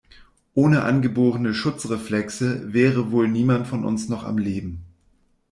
Ohne angeborene Schutzreflexe wäre wohl niemand von uns noch am Leben.